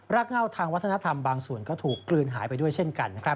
กเง่าทางวัฒนธรรมบางส่วนก็ถูกกลืนหายไปด้วยเช่นกัน